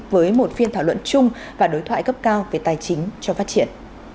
với một phiên thảo luận chung và đối thoại cấp cao về tài chính cho phát triển